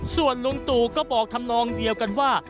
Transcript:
ส่วนลุงตู่ก็บอกทำนองเดียวกันว่า